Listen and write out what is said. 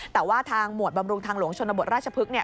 แต่ว่าทางหมวดบำรุงทางหลวงชนบทราชพฤกษ์